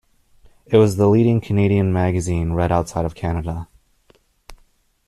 It was the leading Canadian magazine read outside of Canada.